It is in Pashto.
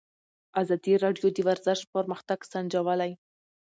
ازادي راډیو د ورزش پرمختګ سنجولی.